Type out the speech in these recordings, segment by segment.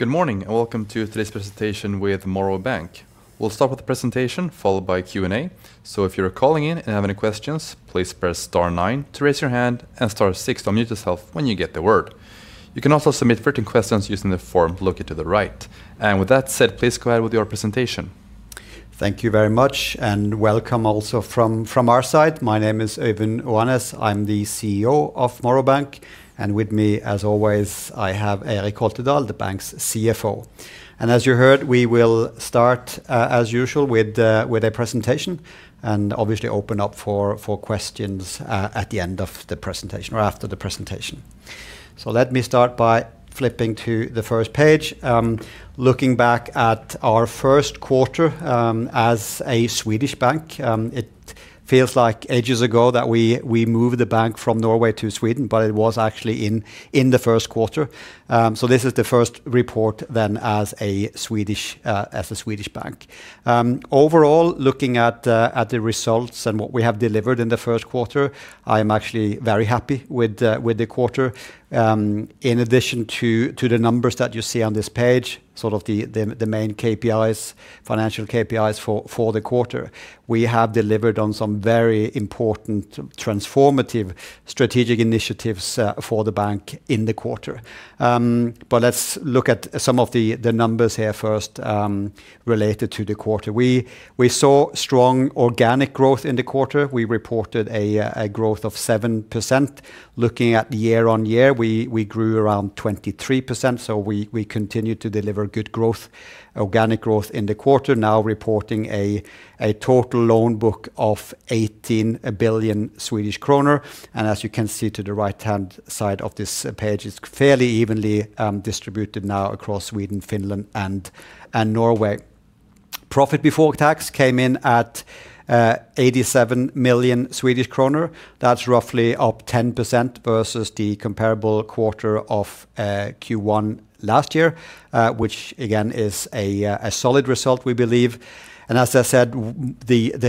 Good morning, welcome to today's presentation with Morrow Bank. We'll start with the presentation followed by Q&A, so if you're calling in and have any questions, please press star nine to raise your hand and star six to unmute yourself when you get the word. You can also submit written questions using the form located to the right. With that said, please go ahead with your presentation. Thank you very much, welcome also from our side. My name is Øyvind Oanes. I am the CEO of Morrow Bank. With me, as always, I have Eirik Holtedahl, the bank's CFO. As you heard, we will start as usual with a presentation and obviously open up for questions at the end of the presentation or after the presentation. Let me start by flipping to the first page. Looking back at our first quarter, as a Swedish bank, it feels like ages ago that we moved the bank from Norway to Sweden, it was actually in the first quarter. This is the first report as a Swedish bank. Overall, looking at the results and what we have delivered in the first quarter, I am actually very happy with the quarter. In addition to the numbers that you see on this page, sort of the main KPIs, financial KPIs for the quarter, we have delivered on some very important transformative strategic initiatives for the bank in the quarter. Let's look at some of the numbers here first, related to the quarter. We saw strong organic growth in the quarter. We reported a growth of 7%. Looking at the year-on-year, we grew around 23%, we continued to deliver good growth, organic growth in the quarter, now reporting a total loan book of 18 billion Swedish kronor. As you can see to the right-hand side of this page, it's fairly evenly distributed now across Sweden, Finland, and Norway. Profit before tax came in at 87 million Swedish kronor. That's roughly up 10% versus the comparable quarter of Q1 last year, which again is a solid result, we believe. As I said, the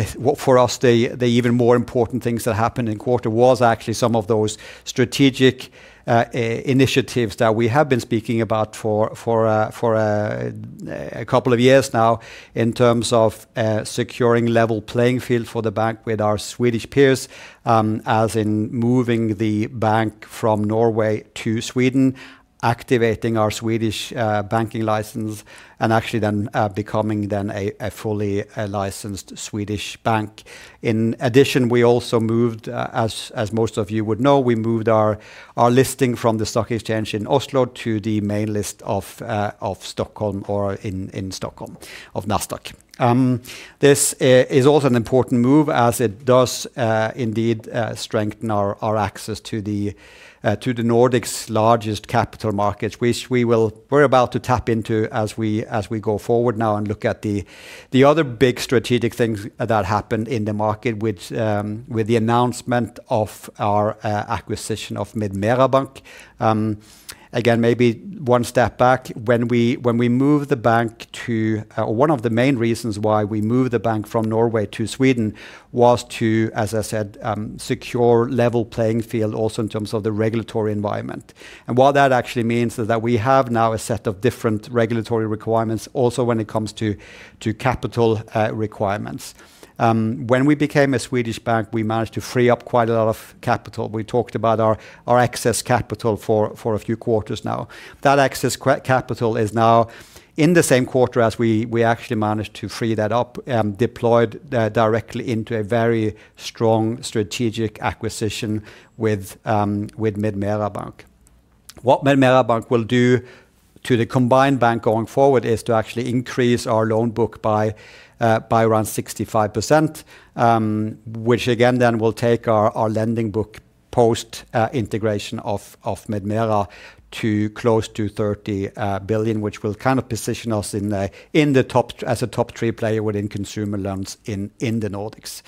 even more important things that happened in quarter was actually some of those strategic initiatives that we have been speaking about for a couple of years now in terms of securing level playing field for the bank with our Swedish peers, as in moving the bank from Norway to Sweden, activating our Swedish banking license, and actually then becoming then a fully licensed Swedish bank. In addition, we also moved, as most of you would know, we moved our listing from the stock exchange in Oslo to the main list of Stockholm of Nasdaq. This is also an important move as it does indeed strengthen our access to the Nordic's largest capital markets, which we're about to tap into as we go forward now and look at the other big strategic things that happened in the market, which with the announcement of our acquisition of MedMera Bank. Again, maybe one step back. When we moved the bank to, one of the main reasons why we moved the bank from Norway to Sweden was to, as I said, secure level playing field also in terms of the regulatory environment. What that actually means is that we have now a set of different regulatory requirements also when it comes to capital requirements. When we became a Swedish bank, we managed to free up quite a lot of capital. We talked about our excess capital for a few quarters now. That excess capital is now in the same quarter as we actually managed to free that up, deployed directly into a very strong strategic acquisition with MedMera Bank. What MedMera Bank will do to the combined bank going forward is to actually increase our loan book by around 65%, which again then will take our lending book post integration of MedMera to close to 30 billion, which will kind of position us in the top, as a top-three player within consumer loans in the Nordics.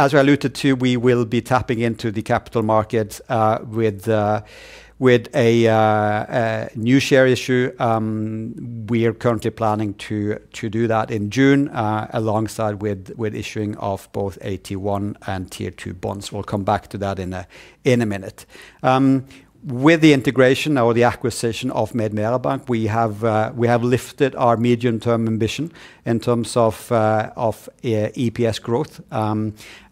As I alluded to, we will be tapping into the capital markets with a new share issue. We are currently planning to do that in June alongside issuing of both AT1 and Tier 2 bonds. We will come back to that in a minute. With the integration or the acquisition of MedMera Bank, we have lifted our medium-term ambition in terms of EPS growth.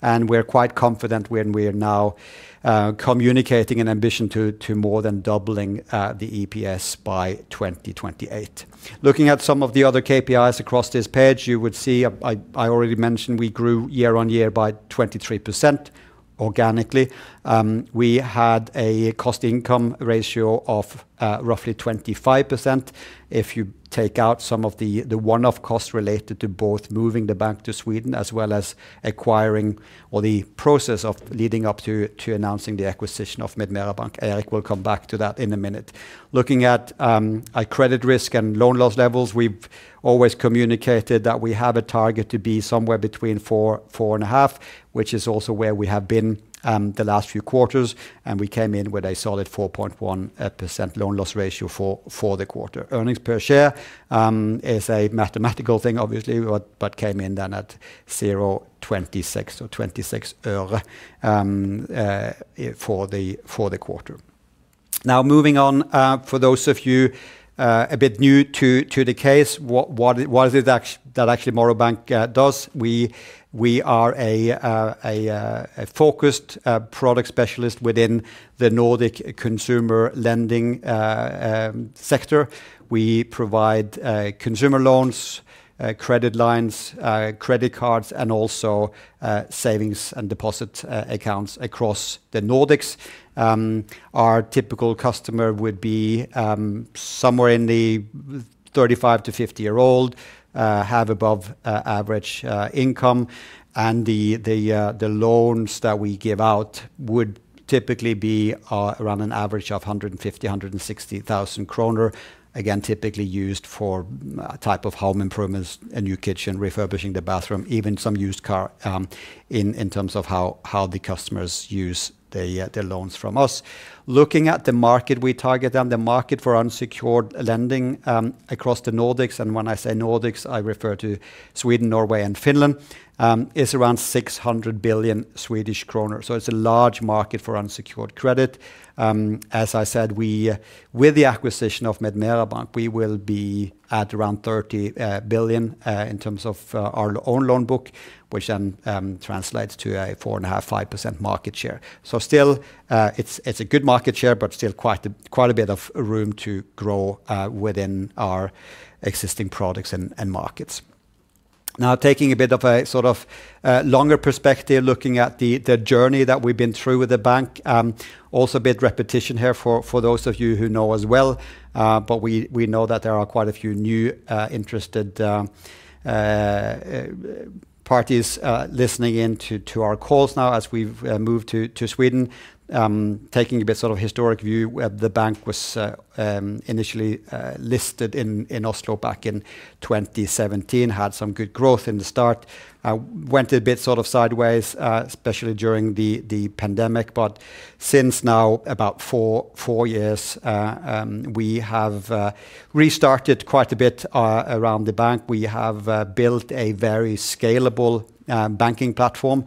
We're quite confident when we are now communicating an ambition to more than doubling the EPS by 2028. Looking at some of the other KPIs across this page, you would see I already mentioned we grew year-on-year by 23% organically. We had a cost income ratio of roughly 25% if you take out some of the one-off costs related to both moving the bank to Sweden as well as acquiring or the process of leading up to announcing the acquisition of MedMera Bank. Eirik will come back to that in a minute. Looking at credit risk and loan loss levels, we've always communicated that we have a target to be somewhere between 4%, 4.5%, which is also where we have been the last few quarters. We came in with a solid 4.1% loan loss ratio for the quarter. Earnings per share is a mathematical thing obviously, came in then at 0.26 for the quarter. Moving on, for those of you a bit new to the case, what is it that actually Morrow Bank does, we are a focused product specialist within the Nordic consumer lending sector. We provide consumer loans, credit lines, credit cards, and also savings and deposit accounts across the Nordics. Our typical customer would be somewhere in the 35 to 50 year old, have above average income, and the loans that we give out would typically be around an average of 150,000-160,000 kronor. Again, typically used for type of home improvements, a new kitchen, refurbishing the bathroom, even some used car, in terms of how the customers use their loans from us. Looking at the market we target and the market for unsecured lending across the Nordics, and when I say Nordics, I refer to Sweden, Norway, and Finland, is around 600 billion Swedish kronor. It's a large market for unsecured credit. As I said, with the acquisition of MedMera Bank, we will be at around 30 billion in terms of our own loan book, which translates to a 4.5%-5% market share. Still, it's a good market share, but still quite a bit of room to grow within our existing products and markets. Taking a bit of a sort of longer perspective looking at the journey that we've been through with the bank, also a bit repetition here for those of you who know as well, but we know that there are quite a few new interested parties listening in to our calls now as we've moved to Sweden. Taking a bit sort of historic view, the bank was initially listed in Oslo back in 2017, had some good growth in the start, went a bit sort of sideways, especially during the pandemic. Since now, about four years, we have restarted quite a bit around the bank. We have built a very scalable banking platform,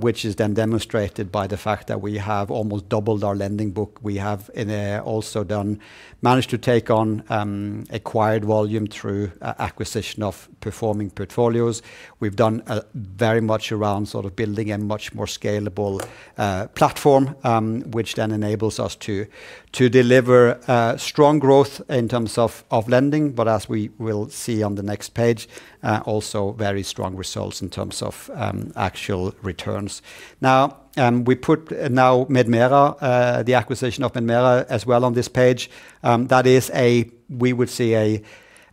which is then demonstrated by the fact that we have almost doubled our lending book. We have and also done managed to take on acquired volume through acquisition of performing portfolios. We've done a very much around sort of building a much more scalable platform, which then enables us to deliver strong growth in terms of lending. As we will see on the next page, also very strong results in terms of actual returns. We put now MedMera, the acquisition of MedMera as well on this page. That is a, we would say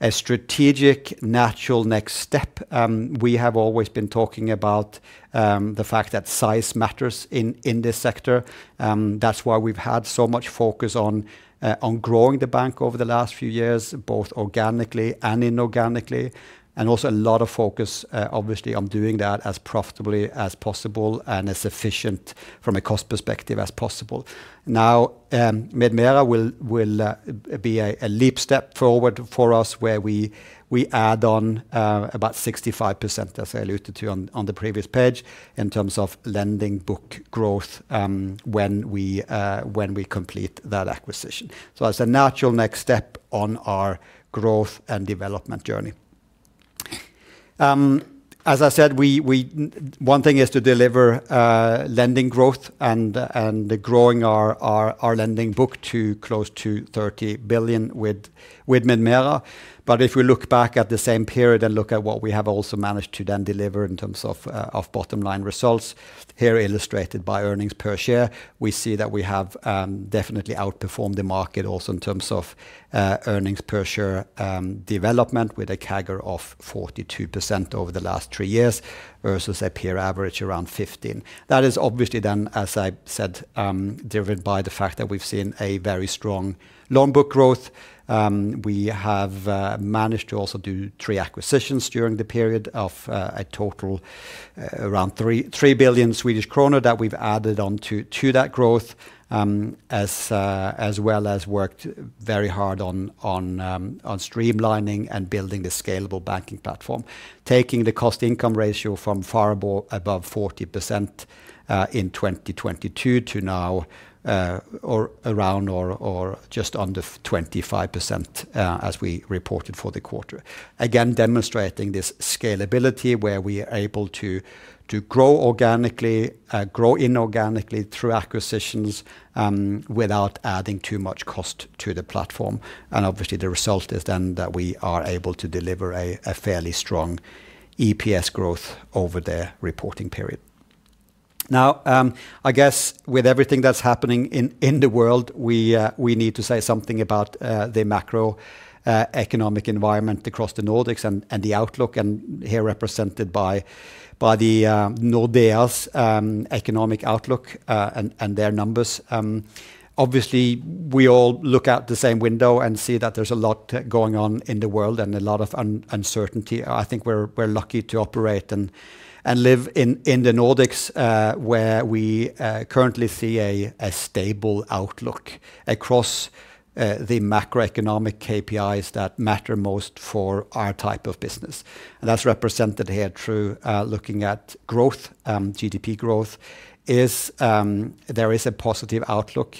a strategic natural next step. We have always been talking about the fact that size matters in this sector. That's why we've had so much focus on growing the bank over the last few years, both organically and inorganically. Also a lot of focus obviously on doing that as profitably as possible and as efficient from a cost perspective as possible. MedMera will be a leap step forward for us where we add on about 65%, as I alluded to on the previous page, in terms of lending book growth when we complete that acquisition. That's a natural next step on our growth and development journey. As I said, we One thing is to deliver lending growth and growing our lending book to close to 30 billion with MedMera. If we look back at the same period and look at what we have also managed to then deliver in terms of bottom line results, here illustrated by earnings per share, we see that we have definitely outperformed the market also in terms of earnings per share development with a CAGR of 42% over the last three years versus a peer average around 15%. That is obviously then, as I said, driven by the fact that we've seen a very strong loan book growth. We have managed to also do three acquisitions during the period of a total around 3 billion Swedish kronor that we've added on to that growth as well as worked very hard on streamlining and building the scalable banking platform. Taking the cost income ratio from far above 40% in 2022 to now, or around or just under 25%, as we reported for the quarter. Again, demonstrating this scalability where we are able to grow organically, grow inorganically through acquisitions, without adding too much cost to the platform. Obviously the result is then that we are able to deliver a fairly strong EPS growth over the reporting period. Now, I guess with everything that's happening in the world, we need to say something about the macro economic environment across the Nordics and the outlook, and here represented by the Nordea's economic outlook, and their numbers. Obviously we all look out the same window and see that there's a lot going on in the world and a lot of uncertainty. I think we're lucky to operate and live in the Nordics, where we currently see a stable outlook across the macroeconomic KPIs that matter most for our type of business, and that's represented here through looking at growth. There is a positive outlook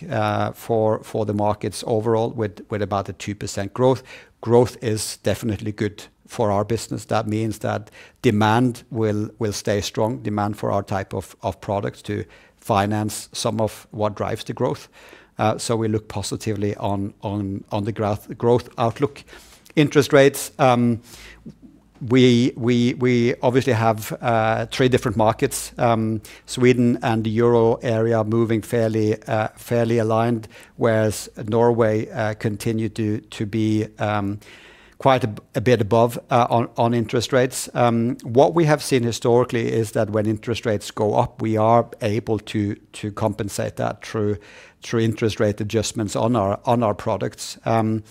for the markets overall with about a 2% growth. Growth is definitely good for our business. That means that demand will stay strong, demand for our type of product to finance some of what drives the growth. We look positively on the growth outlook. Interest rates, we obviously have three different markets. Sweden and the Euro area are moving fairly aligned, whereas Norway continue to be quite a bit above on interest rates. What we have seen historically is that when interest rates go up, we are able to compensate that through interest rate adjustments on our products. The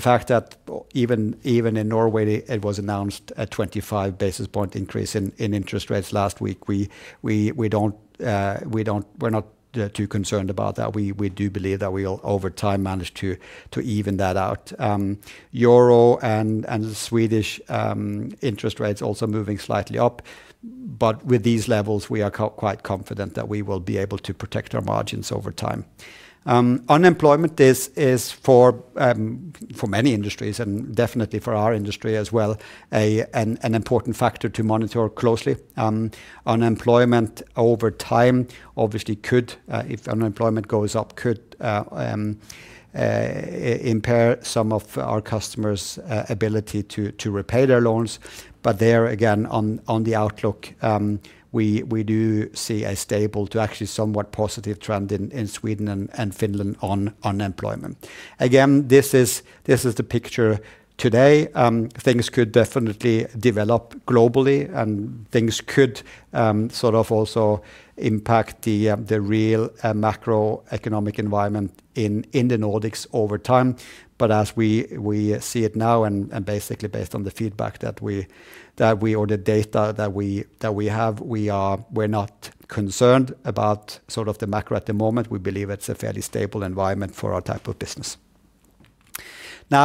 fact that Even in Norway it was announced a 25 basis point increase in interest rates last week, we're not too concerned about that. We do believe that we'll over time manage to even that out. Euro and Swedish interest rates also moving slightly up, but with these levels we are quite confident that we will be able to protect our margins over time. Unemployment is for many industries and definitely for our industry as well, an important factor to monitor closely. Unemployment over time obviously could, if unemployment goes up, could impair some of our customers' ability to repay their loans. There again, on the outlook, we do see a stable to actually somewhat positive trend in Sweden and Finland on unemployment. Again, this is the picture today. Things could definitely develop globally, things could sort of also impact the real macroeconomic environment in the Nordics over time. As we see it now and basically based on the feedback that we or the data that we have, we're not concerned about sort of the macro at the moment. We believe it's a fairly stable environment for our type of business. We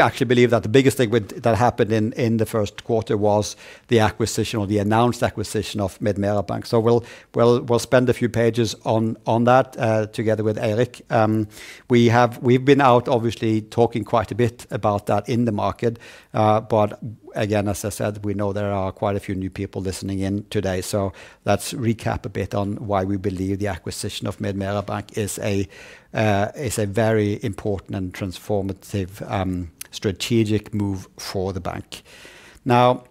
actually believe that the biggest thing that happened in the first quarter was the acquisition or the announced acquisition of MedMera Bank. We'll spend a few pages on that together with Eirik. We've been out obviously talking quite a bit about that in the market. Again, as I said, we know there are quite a few new people listening in today, so let's recap a bit on why we believe the acquisition of MedMera Bank is a very important and transformative strategic move for the bank. Now,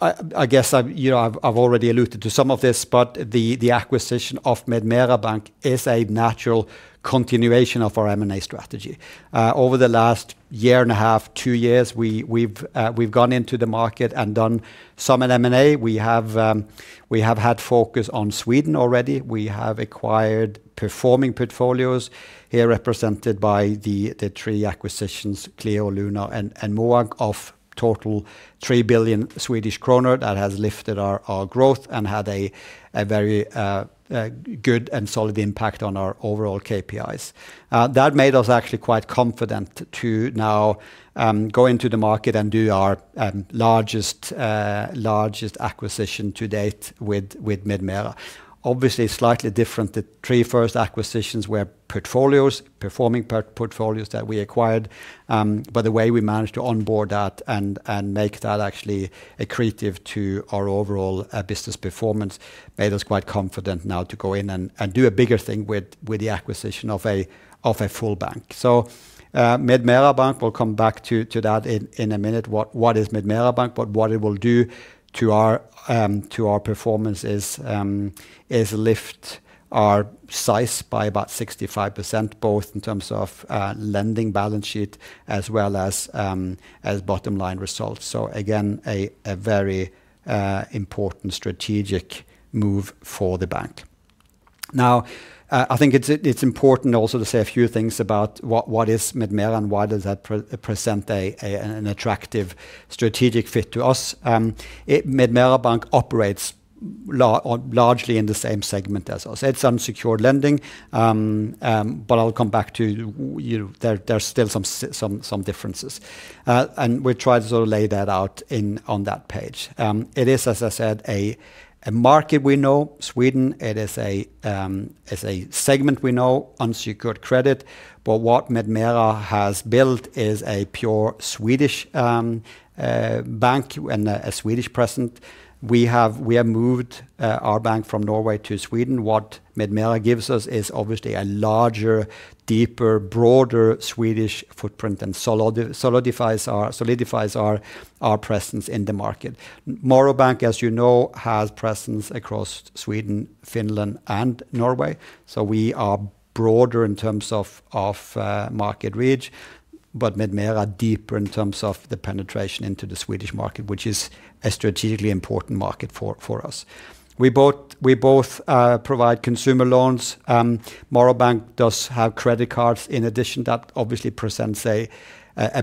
I guess I've already alluded to some of this, the acquisition of MedMera Bank is a natural continuation of our M&A strategy. Over the last year and a half, two years, we've gone into the market and done some M&A. We have had focus on Sweden already. We have acquired performing portfolios here represented by the three acquisitions, Cleo, Luna, and Moank of total 3 billion Swedish kronor that has lifted our growth and had a very good and solid impact on our overall KPIs. That made us actually quite confident to now go into the market and do our largest acquisition to date with MedMera. Obviously slightly different, the three first acquisitions were portfolios, performing portfolios that we acquired. By the way we managed to onboard that and make that actually accretive to our overall business performance made us quite confident now to go in and do a bigger thing with the acquisition of a full bank. MedMera Bank we'll come back to that in a minute. What is MedMera Bank? What it will do to our to our performance is is lift our size by about 65%, both in terms of lending balance sheet as well as as bottom line results. Again, a very important strategic move for the bank. I think it's it's important also to say a few things about what is MedMera and why does that present an attractive strategic fit to us. MedMera Bank operates largely in the same segment as us. It's unsecured lending, but I'll come back to, you know, there are still some differences. We try to sort of lay that out in, on that page. It is, as I said, a market we know, Sweden. It is a segment we know, unsecured credit, but what MedMera has built is a pure Swedish bank and a Swedish presence. We have moved our bank from Norway to Sweden. What MedMera gives us is obviously a larger, deeper, broader Swedish footprint and solidifies our presence in the market. Morrow Bank, as you know, has presence across Sweden, Finland, and Norway, so we are broader in terms of market reach. MedMera deeper in terms of the penetration into the Swedish market, which is a strategically important market for us. We both provide consumer loans. Morrow Bank does have credit cards in addition that obviously presents a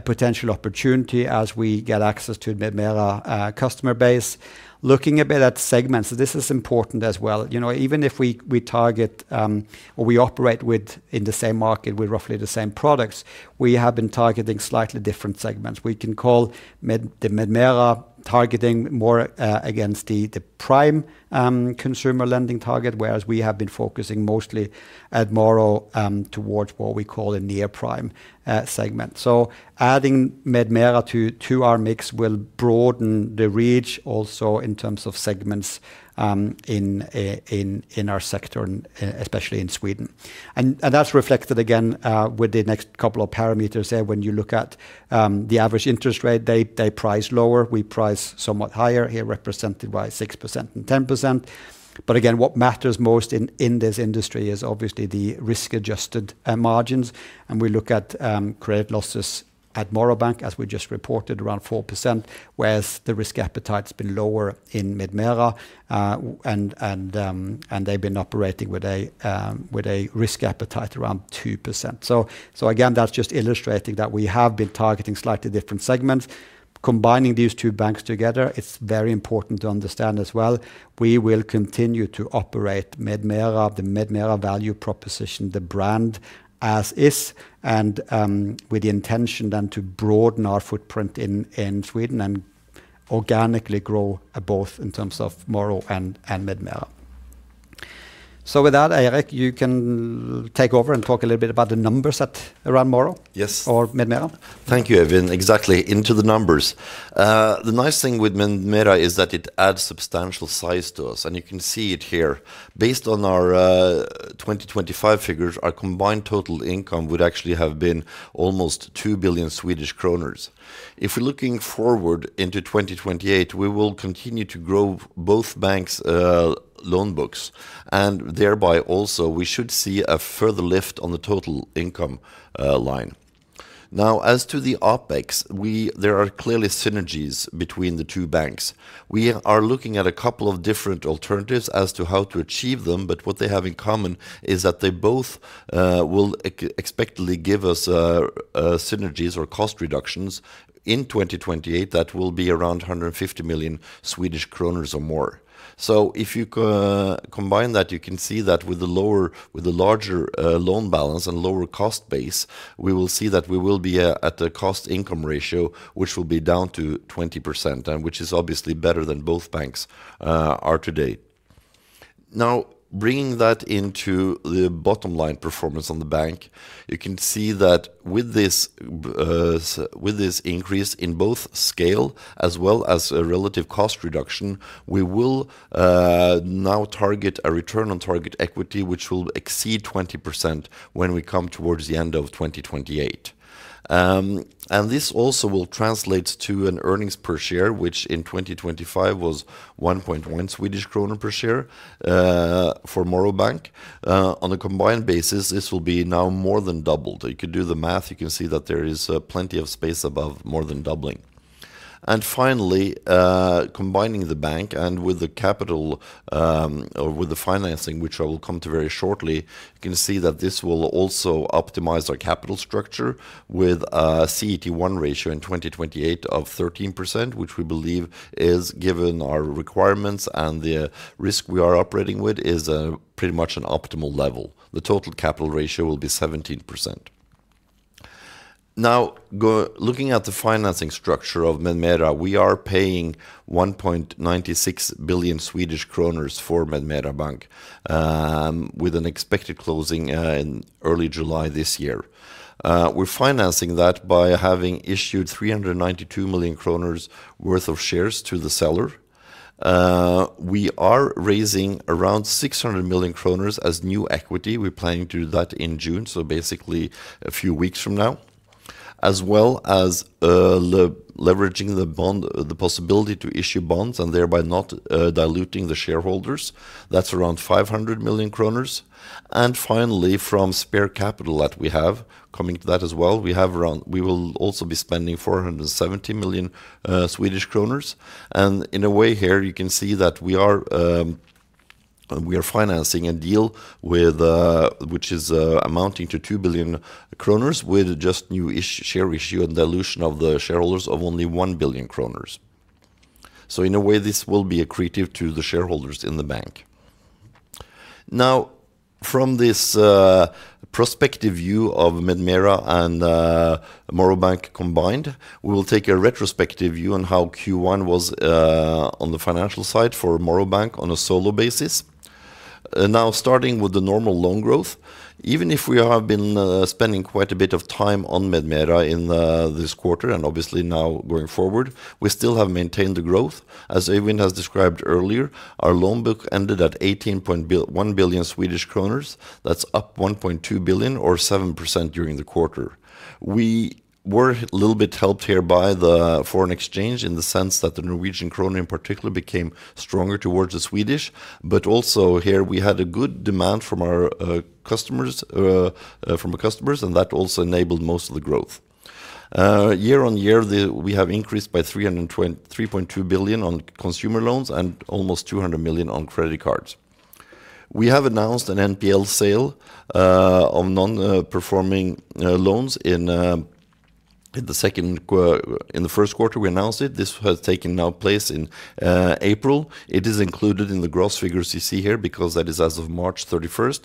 potential opportunity as we get access to MedMera customer base. Looking a bit at segments, this is important as well. You know, even if we target, or we operate within the same market with roughly the same products, we have been targeting slightly different segments. We can call MedMera targeting more against the Prime consumer lending target, whereas we have been focusing mostly at Morrow towards what we call a Near Prime segment. Adding MedMera to our mix will broaden the reach also in terms of segments in our sector and especially in Sweden. That's reflected again with the next couple of parameters here when you look at the average interest rate, they price lower, we price somewhat higher here represented by 6% and 10%. Again, what matters most in this industry is obviously the Risk-Adjusted margins, and we look at credit losses at Morrow Bank as we just reported around 4%, whereas the risk appetite's been lower in MedMera, and they've been operating with a risk appetite around 2%. Again, that's just illustrating that we have been targeting slightly different segments. Combining these two banks together, it's very important to understand as well we will continue to operate MedMera, the MedMera value proposition, the brand as is, and with the intention then to broaden our footprint in Sweden and organically grow both in terms of Morrow and MedMera. With that, Eirik, you can take over and talk a little bit about the numbers at around Morrow. Yes. MedMera. Thank you, Øyvind. Exactly, into the numbers. The nice thing with MedMera is that it adds substantial size to us, and you can see it here. Based on our 2025 figures, our combined total income would actually have been almost 2 billion Swedish kronor. If we're looking forward into 2028, we will continue to grow both banks' loan books, and thereby also we should see a further lift on the total income line. Now, as to the OpEx, there are clearly synergies between the two banks. We are looking at a couple of different alternatives as to how to achieve them, but what they have in common is that they both will expectedly give us synergies or cost reductions in 2028 that will be around 150 million Swedish kronor or more. If you co-combine that, you can see that with the larger loan balance and lower cost base, we will see that we will be at a cost income ratio, which will be down to 20% and which is obviously better than both banks are today. Bringing that into the bottom line performance on the bank, you can see that with this increase in both scale as well as a relative cost reduction, we will now target a Return on Tangible Equity which will exceed 20% when we come towards the end of 2028. This also will translate to an earnings per share, which in 2025 was 1.1 Swedish kronor per share for Morrow Bank. On a combined basis, this will be now more than doubled. You can do the math. You can see that there is plenty of space above more than doubling. Finally, combining the bank and with the capital, or with the financing which I will come to very shortly, you can see that this will also optimize our capital structure with a CET1 ratio in 2028 of 13%, which we believe is, given our requirements and the risk we are operating with, is pretty much an optimal level. The total capital ratio will be 17%. Looking at the financing structure of MedMera, we are paying 1.96 billion Swedish kronor for MedMera Bank, with an expected closing in early July this year. We're financing that by having issued 392 million kronor worth of shares to the seller. We are raising around 600 million kronor as new equity. We're planning to do that in June, so basically a few weeks from now. As well as leveraging the bond, the possibility to issue bonds and thereby not diluting the shareholders. That's around 500 million kronor. Finally, from spare capital that we have coming to that as well, we will also be spending 470 million Swedish kronor. In a way here you can see that we are financing a deal with which is amounting to 2 billion kronor with just new share issue and dilution of the shareholders of only 1 billion kronor. In a way, this will be accretive to the shareholders in the bank. From this prospective view of MedMera and Morrow Bank combined, we will take a retrospective view on how Q1 was on the financial side for Morrow Bank on a solo basis. Starting with the normal loan growth, even if we have been spending quite a bit of time on MedMera in this quarter and obviously going forward, we still have maintained the growth. As Øyvind has described earlier, our loan book ended at 18.1 billion Swedish kronor. That's up 1.2 billion or 7% during the quarter. We were a little bit helped here by the foreign exchange in the sense that the Norwegian kroner in particular became stronger towards the Swedish. Also here we had a good demand from our customers, from the customers, and that also enabled most of the growth. Year on year we have increased by 3.2 billion on consumer loans and almost 200 million on credit cards. We have announced an NPL sale of non-performing loans in the first quarter we announced it. This has taken now place in April. It is included in the gross figures you see here because that is as of March 31st.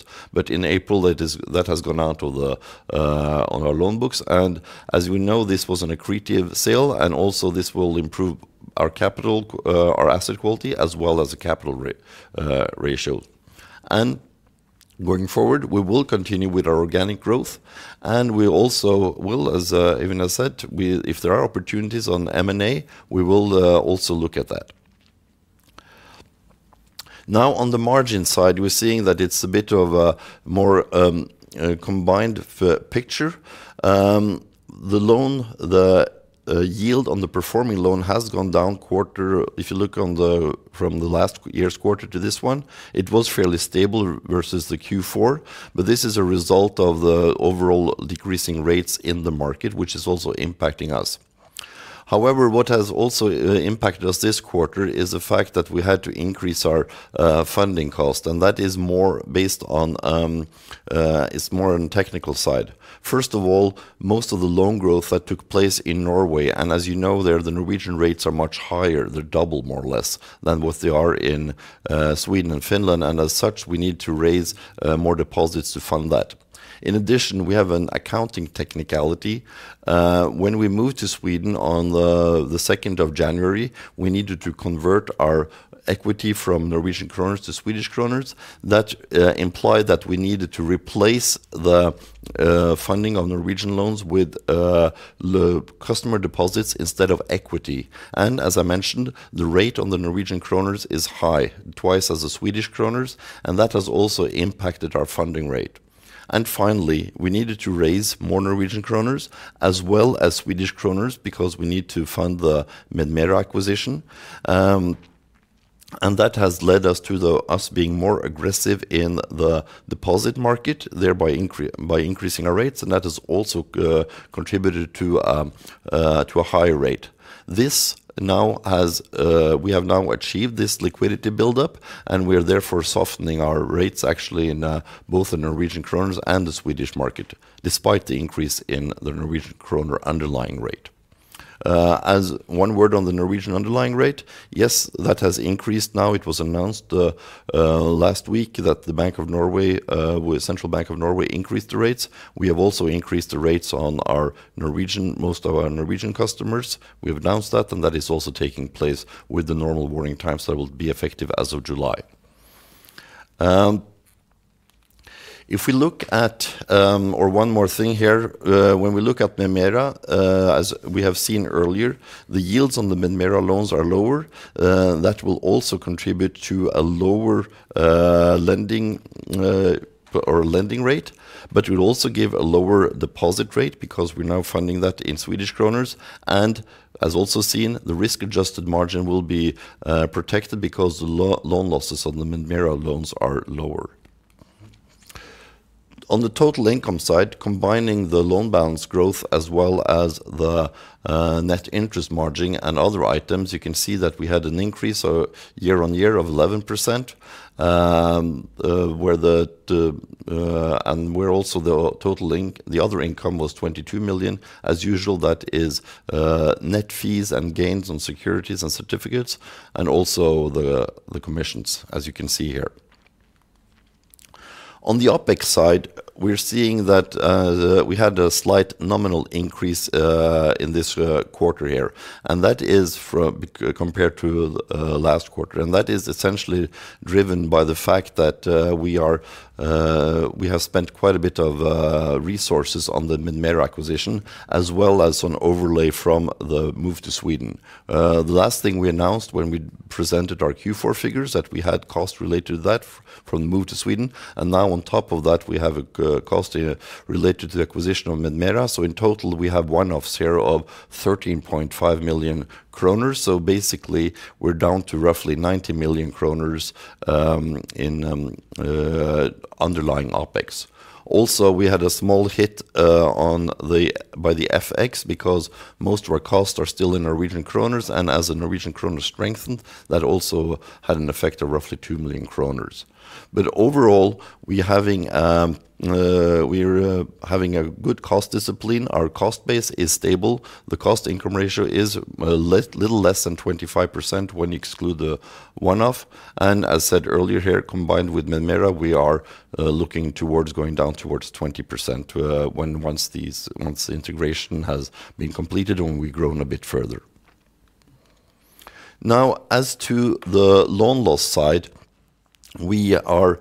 In April, that has gone out to the on our loan books. As we know, this was an accretive sale, and also this will improve our capital, our asset quality, as well as the capital ratio. Going forward, we will continue with our organic growth, and we also will, as Øyvind has said, if there are opportunities on M&A, we will also look at that. On the margin side, we're seeing that it's a bit of a more combined picture. The yield on the performing loan has gone down quarter. If you look from the last year's quarter to this one, it was fairly stable versus the Q4, this is a result of the overall decreasing rates in the market, which is also impacting us. What has also impacted us this quarter is the fact that we had to increase our funding cost. It is more on technical side. First of all, most of the loan growth that took place in Norway, and as you know, there the Norwegian rates are much higher. They're double more or less than what they are in Sweden and Finland. As such, we need to raise more deposits to fund that. In addition, we have an accounting technicality. When we moved to Sweden on the 2nd January, we needed to convert our equity from NOK to SEK. That implied that we needed to replace the funding of Norwegian loans with customer deposits instead of equity. As I mentioned, the rate on the NOK is high, twice as the SEK, and that has also impacted our funding rate. Finally, we needed to raise more Norwegian kroner as well as Swedish kronor because we need to fund the MedMera acquisition. That has led us to us being more aggressive in the deposit market, thereby increasing our rates, and that has also contributed to a higher rate. This now has, we have now achieved this liquidity build-up, and we are therefore softening our rates actually in both the Norwegian kroner and the Swedish market, despite the increase in the Norwegian kroner underlying rate. As one word on the Norwegian underlying rate, yes, that has increased now. It was announced last week that Norges Bank, with Norges Bank increased the rates. We have also increased the rates on our Norwegian, most of our Norwegian customers. We have announced that, and that is also taking place with the normal warning time, so it will be effective as of July. If we look at, or one more thing here, when we look at MedMera, as we have seen earlier, the yields on the MedMera loans are lower. That will also contribute to a lower lending, or lending rate, but it will also give a lower deposit rate because we're now funding that in Swedish kronor. As also seen, the Risk-Adjusted Margin will be protected because the loan losses on the MedMera loans are lower. On the total income side, combining the loan balance growth as well as the Net Interest Margin and other items, you can see that we had an increase of year-over-year of 11%, where also the other income was 22 million. As usual, that is net fees and gains on securities and certificates, and also the commissions, as you can see here. On the OpEx side, we are seeing that we had a slight nominal increase in this quarter here, compared to last quarter. That is essentially driven by the fact that we are, we have spent quite a bit of resources on the MedMera acquisition, as well as on overlay from the move to Sweden. The last thing we announced when we presented our Q4 figures that we had cost related to that from the move to Sweden. Now on top of that, we have a cost related to the acquisition of MedMera. In total, we have one-off of 13.5 million kronor. Basically, we're down to roughly 90 million kronor in underlying OpEx. Also, we had a small hit by the FX because most of our costs are still in Norwegian kroners, and as the Norwegian kroners strengthened, that also had an effect of roughly 2 million kronor. Overall, we're having a good cost discipline. Our cost base is stable. The cost income ratio is little less than 25% when you exclude the one-off. As said earlier here, combined with MedMera, we are looking towards going down towards 20% once the integration has been completed and we've grown a bit further. As to the loan loss side, we are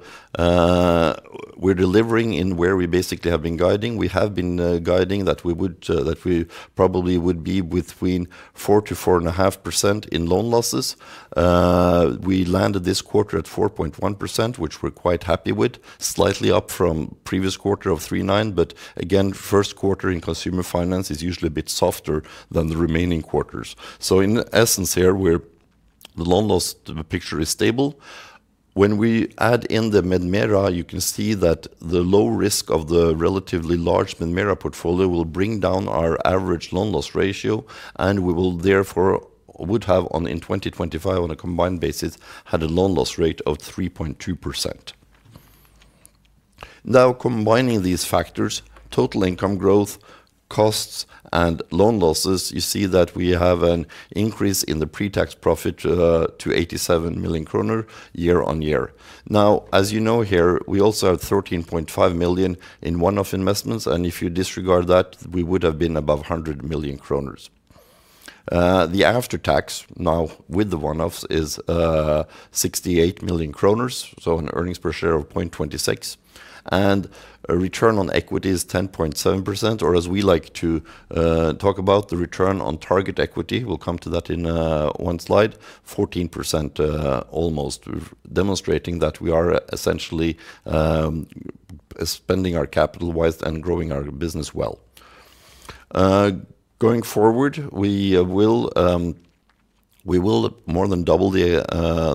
delivering in where we basically have been guiding. We have been guiding that we would that we probably would be between 4% to 4.5% in loan losses. We landed this quarter at 4.1%, which we're quite happy with, slightly up from previous quarter of 3.9%, but again, first quarter in consumer finance is usually a bit softer than the remaining quarters. In essence here, the loan loss picture is stable. When we add in the MedMera, you can see that the low risk of the relatively large MedMera portfolio will bring down our average loan loss ratio, and we will therefore would have on in 2025 on a combined basis had a loan loss rate of 3.2%. Combining these factors, total income growth, costs, and loan losses, you see that we have an increase in the pre-tax profit to 87 million kronor year-on-year. As you know here, we also have 13.5 million in one-off investments, and if you disregard that, we would have been above 100 million kronor. The after-tax now with the one-offs is 68 million kronor, so an earnings per share of 0.26. A return on equity is 10.7%, or as we like to talk about the Return on Tangible Equity, we'll come to that in one slide, 14%, almost demonstrating that we are essentially spending our capital wisely and growing our business well. Going forward, we will more than double the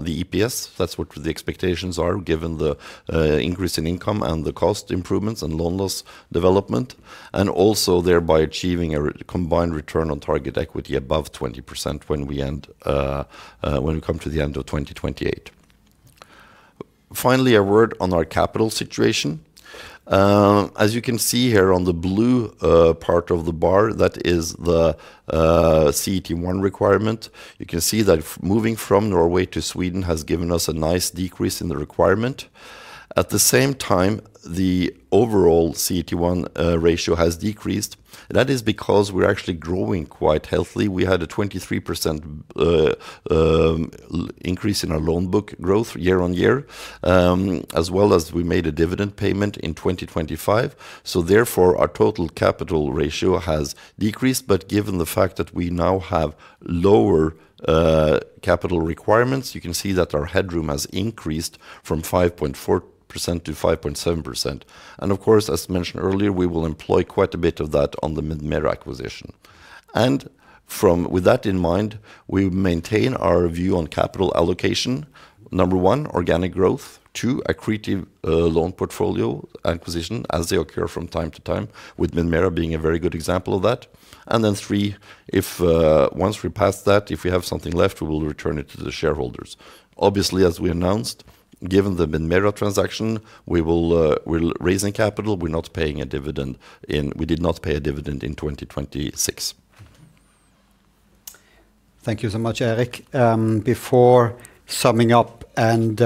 EPS. That's what the expectations are given the increase in income and the cost improvements and loan loss development, and also thereby achieving a combined Return on Tangible Equity above 20% when we come to the end of 2028. Finally, a word on our capital situation. As you can see here on the blue part of the bar, that is the CET1 requirement. You can see that moving from Norway to Sweden has given us a nice decrease in the requirement. At the same time, the overall CET1 ratio has decreased. That is because we're actually growing quite healthily. We had a 23% increase in our loan book growth year-on-year, as well as we made a dividend payment in 2025, so therefore our total capital ratio has decreased. Given the fact that we now have lower capital requirements, you can see that our headroom has increased from 5.4% to 5.7%. Of course, as mentioned earlier, we will employ quite a bit of that on the MedMera acquisition. With that in mind, we maintain our view on capital allocation. Number one, organic growth. Two, accretive loan portfolio acquisition as they occur from time to time, with MedMera being a very good example of that. Three, if once we pass that, if we have something left, we will return it to the shareholders. Obviously, as we announced, given the MedMera transaction, we will, we're raising capital. We're not paying a dividend, we did not pay a dividend in 2026. Thank you so much, Eirik. Before summing up and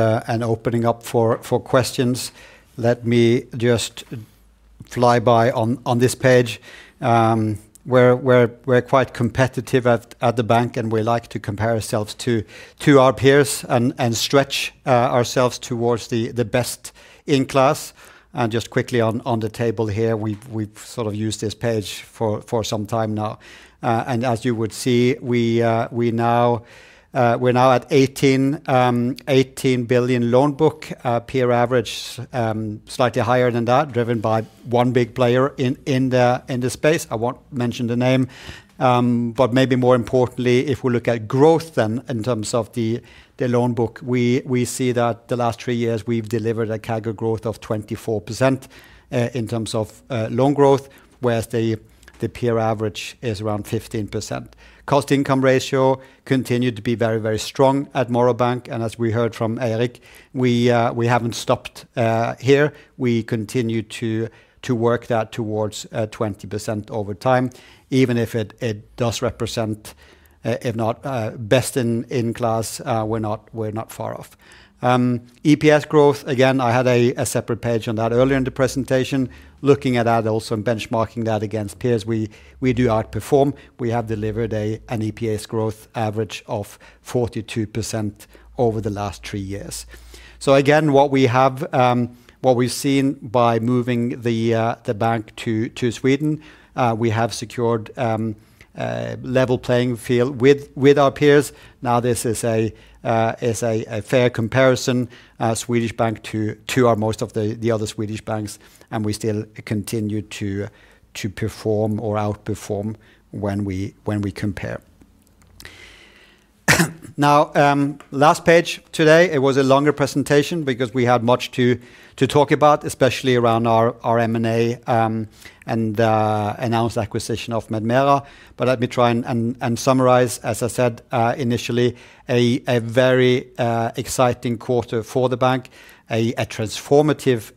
opening up for questions, let me just fly by on this page. We're quite competitive at the bank, and we like to compare ourselves to our peers and stretch ourselves towards the best in class. Just quickly on the table here, we've sort of used this page for some time now. As you would see, we now, we're now at 18 billion loan book, peer average, slightly higher than that, driven by one big player in the space. I won't mention the name. Maybe more importantly, if we look at growth then in terms of the loan book, we see that the last three years we've delivered a CAGR growth of 24% in terms of loan growth, whereas the peer average is around 15%. Cost income ratio continued to be very, very strong at Morrow Bank, and as we heard from Eirik, we haven't stopped here. We continue to work that towards 20% over time, even if it does represent, if not best in class, we're not far off. EPS growth, again, I had a separate page on that earlier in the presentation. Looking at that also and benchmarking that against peers, we do outperform. We have delivered an EPS growth average of 42% over the last three years. Again, what we have, what we've seen by moving the bank to Sweden, we have secured a level playing field with our peers. This is a fair comparison, a Swedish bank to our most of the other Swedish banks, we still continue to perform or outperform when we compare. Last page today, it was a longer presentation because we had much to talk about, especially around our M&A, announced acquisition of MedMera. Let me try and summarize, as I said initially, a very exciting quarter for the bank, a transformative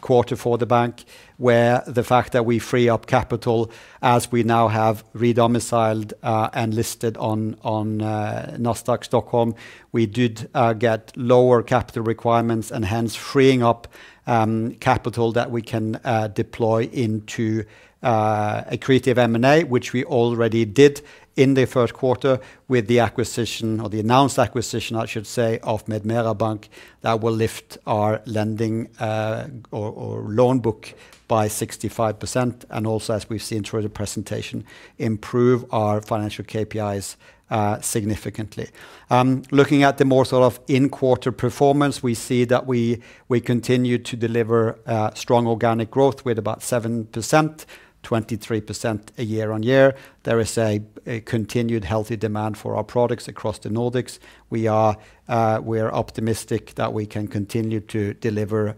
quarter for the bank, where the fact that we free up capital as we now have re-domiciled and listed on Nasdaq Stockholm, we did get lower capital requirements and hence freeing up capital that we can deploy into accretive M&A, which we already did in the first quarter with the acquisition or the announced acquisition, I should say, of Medmera Bank. That will lift our lending or loan book by 65% and also, as we've seen through the presentation, improve our financial KPIs significantly. Looking at the more sort of in-quarter performance, we see that we continue to deliver strong organic growth with about 7%, 23% year-on-year. There is a continued healthy demand for our products across the Nordics. We are optimistic that we can continue to deliver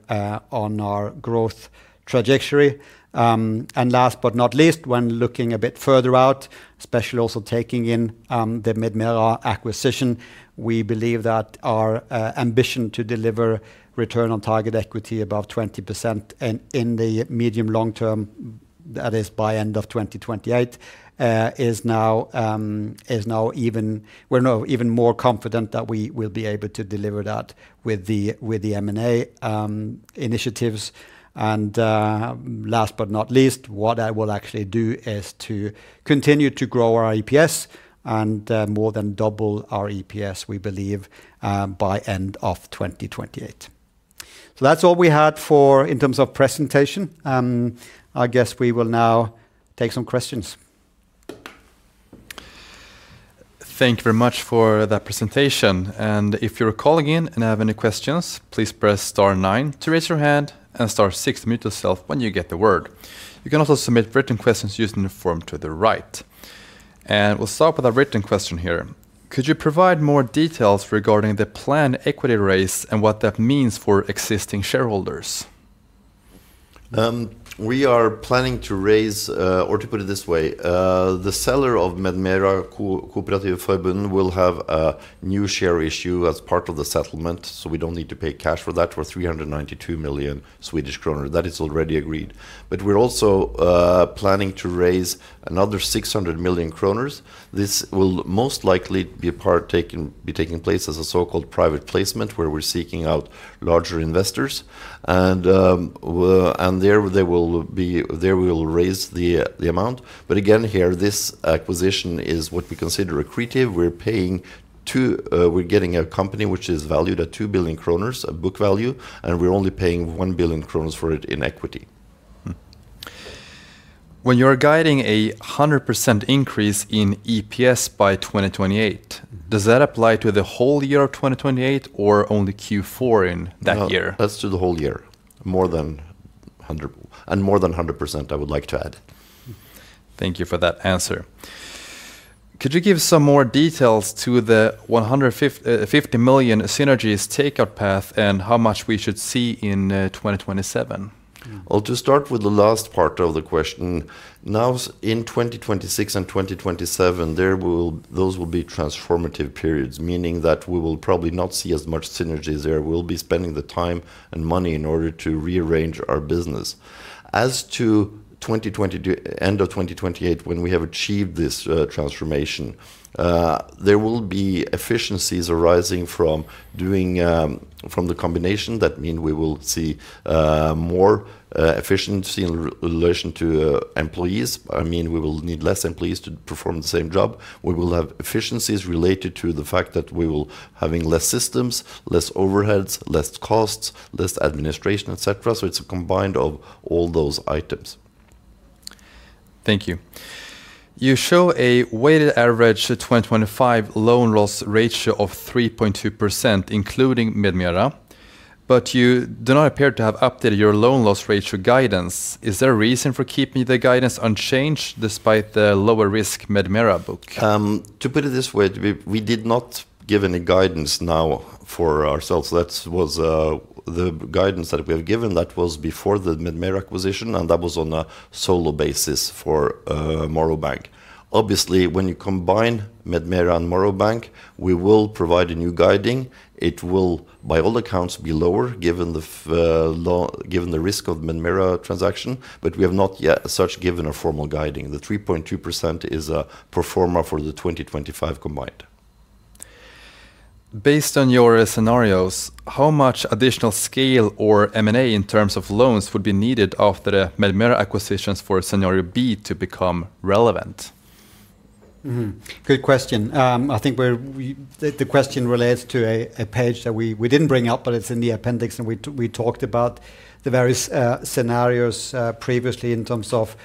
on our growth trajectory. Last but not least, when looking a bit further out, especially also taking in the MedMera acquisition, we believe that our ambition to deliver Return on Tangible Equity above 20% in the medium-long term, that is by end of 2028, We're now even more confident that we will be able to deliver that with the M&A initiatives. Last but not least, what I will actually do is to continue to grow our EPS and more than double our EPS, we believe by end of 2028. That's all we had for in terms of presentation. I guess we will now take some questions. Thank you very much for that presentation. If you're calling in and have any questions, please press star nine to raise your hand and star six to mute yourself when you get the word. You can also submit written questions using the form to the right. We'll start with a written question here. Could you provide more details regarding the planned equity raise and what that means for existing shareholders? We are planning to raise Or to put it this way, the seller of MedMera Kooperativa Förbundet will have a new share issue as part of the settlement, so we don't need to pay cash for that, for 392 million Swedish kronor. That is already agreed. We're also planning to raise another 600 million kronor. This will most likely be a part taking place as a so-called private placement where we're seeking out larger investors and there they will be, there we will raise the amount. Again, here, this acquisition is what we consider accretive. We're paying, we're getting a company which is valued at 2 billion kronor of book value, and we're only paying 1 billion kronor for it in equity. When you're guiding 100% increase in EPS by 2028, does that apply to the whole year of 2028 or only Q4 in that year? No, that's to the whole year, more than 100%, I would like to add. Thank you for that answer. Could you give some more details to the 50 million synergies takeout path and how much we should see in 2027? Well, to start with the last part of the question, in 2026 and 2027, those will be transformative periods, meaning that we will probably not see as much synergies there. We'll be spending the time and money in order to rearrange our business. As to 2020 to end of 2028 when we have achieved this transformation, there will be efficiencies arising from doing from the combination that mean we will see more efficiency in relation to employees. I mean, we will need less employees to perform the same job. We will have efficiencies related to the fact that we will having less systems, less overheads, less costs, less administration, et cetera. It's a combined of all those items. Thank you. You show a weighted average to 2025 loan loss ratio of 3.2%, including MedMera, but you do not appear to have updated your loan loss ratio guidance. Is there a reason for keeping the guidance unchanged despite the lower risk MedMera book? To put it this way, we did not give any guidance now for ourselves. That was the guidance that we have given, that was before the MedMera acquisition, and that was on a solo basis for Morrow Bank. Obviously, when you combine MedMera and Morrow Bank, we will provide a new guiding. It will, by all accounts, be lower given the risk of MedMera transaction. We have not yet as such given a formal guiding. The 3.2% is a pro forma for the 2025 combined. Based on your scenarios, how much additional scale or M&A in terms of loans would be needed after the MedMera acquisitions for scenario B to become relevant? Mm-hmm. Good question. I think the question relates to a page that we didn't bring up, but it's in the appendix, we talked about the various scenarios previously in terms of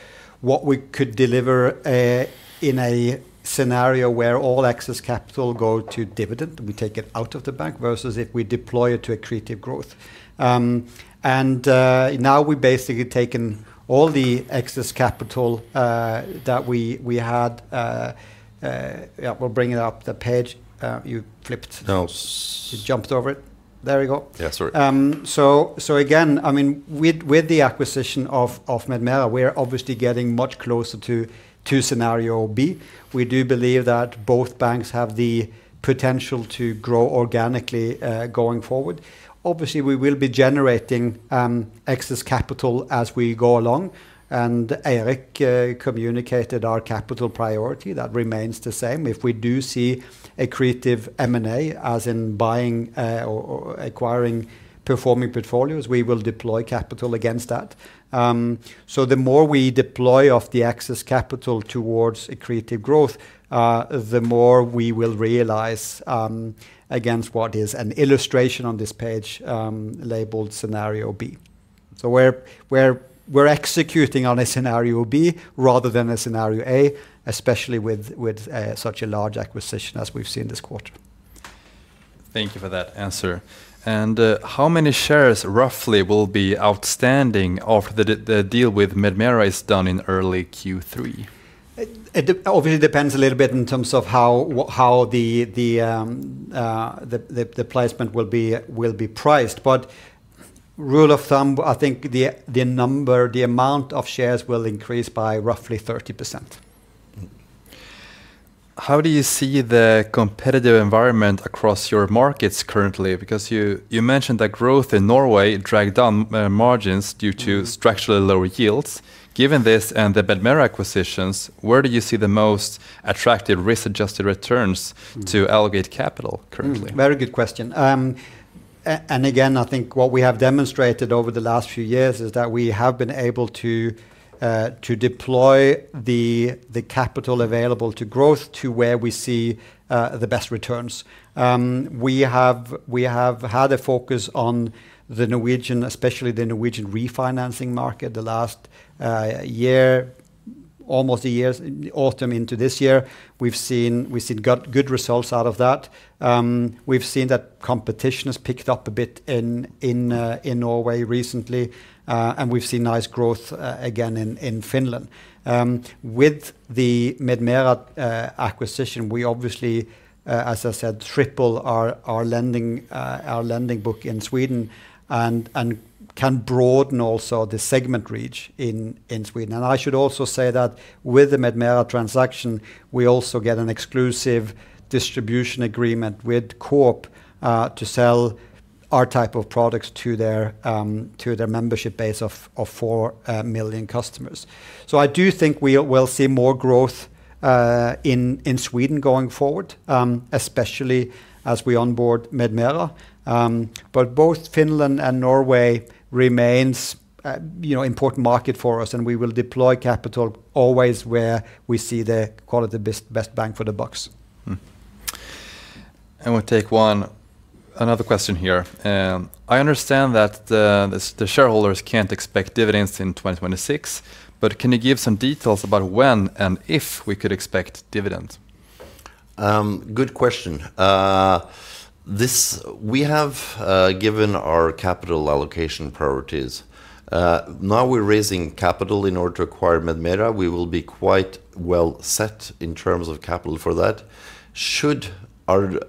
what we could deliver in a scenario where all excess capital go to dividend, we take it out of the bank, versus if we deploy it to accretive growth. Now we've basically taken all the excess capital that we had. Yeah, we'll bring it up, the page. No. You jumped over it. There we go. Yeah, sorry. Again, I mean, with the acquisition of MedMera, we're obviously getting much closer to scenario B. We do believe that both banks have the potential to grow organically going forward. Obviously, we will be generating excess capital as we go along, Eirik communicated our capital priority. That remains the same. If we do see accretive M&A, as in buying or acquiring performing portfolios, we will deploy capital against that. The more we deploy of the excess capital towards accretive growth, the more we will realize against what is an illustration on this page labeled scenario B. We're executing on a scenario B rather than a scenario A, especially with such a large acquisition as we've seen this quarter. Thank you for that answer. How many shares roughly will be outstanding after the deal with MedMera is done in early Q3? It obviously depends a little bit in terms of how the placement will be priced. Rule of thumb, I think the number, the amount of shares will increase by roughly 30%. How do you see the competitive environment across your markets currently? You mentioned that growth in Norway dragged down margins due to structurally lower yields. Given this and the MedMera acquisitions, where do you see the most attractive Risk-Adjusted Margin to allocate capital currently? Very good question. Again, I think what we have demonstrated over the last few years is that we have been able to deploy the capital available to growth to where we see the best returns. We have had a focus on the Norwegian, especially the Norwegian refinancing market the last year, almost a year, autumn into this year. We've seen got good results out of that. We've seen that competition has picked up a bit in Norway recently, and we've seen nice growth again in Finland. With the MedMera acquisition, we obviously, as I said, triple our lending book in Sweden and can broaden also the segment reach in Sweden. I should also say that with the MedMera transaction, we also get an exclusive distribution agreement with Coop to sell our type of products to their membership base of four million customers. I do think we will see more growth in Sweden going forward, especially as we onboard MedMera. Both Finland and Norway remains, you know, important market for us, and we will deploy capital always where we see the call it the best bang for the bucks. We'll take one another question here. I understand that the shareholders can't expect dividends in 2026, but can you give some details about when and if we could expect dividends? Good question. This we have given our capital allocation priorities. Now we're raising capital in order to acquire MedMera. We will be quite well set in terms of capital for that. Should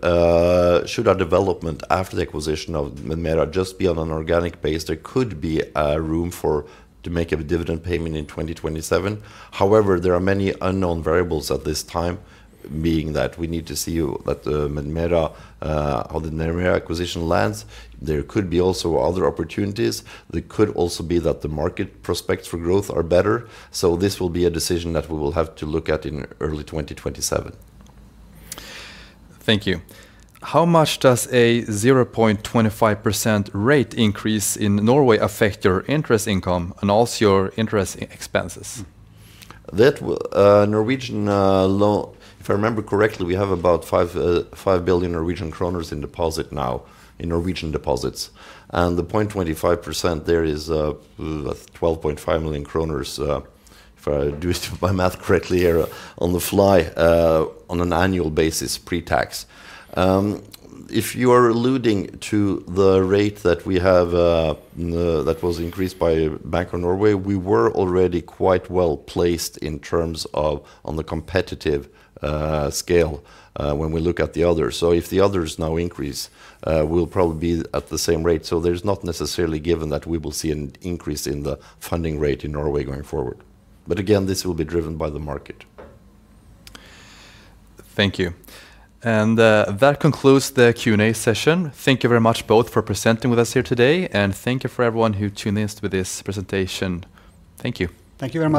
our development after the acquisition of MedMera just be on an organic base, there could be room for to make a dividend payment in 2027. There are many unknown variables at this time, being that we need to see that the MedMera, how the MedMera acquisition lands. There could be also other opportunities. There could also be that the market prospects for growth are better. This will be a decision that we will have to look at in early 2027. Thank you. How much does a 0.25% rate increase in Norway affect your interest income and also your interest expenses? That will, Norwegian law, if I remember correctly, we have about 5 billion Norwegian kroner in deposit now, in Norwegian deposits. The 0.25% there is 12.5 million kroner, if I do my math correctly here on the fly, on an annual basis pre-tax. If you are alluding to the rate that we have, that was increased by Norges Bank, we were already quite well placed in terms of on the competitive scale, when we look at the others. If the others now increase, we'll probably be at the same rate. There's not necessarily given that we will see an increase in the funding rate in Norway going forward. Again, this will be driven by the market. Thank you. That concludes the Q&A session. Thank you very much both for presenting with us here today, and thank you for everyone who tuned in to this presentation. Thank you. Thank you very much.